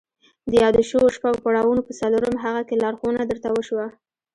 د يادو شويو شپږو پړاوونو په څلورم هغه کې لارښوونه درته وشوه.